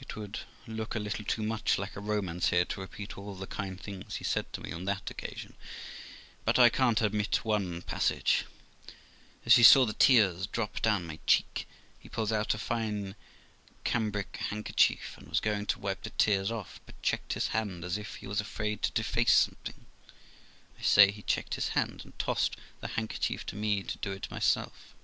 It would look a little too much like a romance here to repeat all the kind things he said to me on that occasion, but I can't omit one passage. As he saw the tears drop down my cheek, he pulls out a fine cambric handkerchief, and was going to wipe the tears off, but checked his hand, as if he was afraid to deface something; I say, he checked his hand, and tossed the handkerchief to me to do it myself.